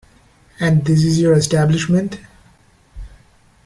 And this is your establishment?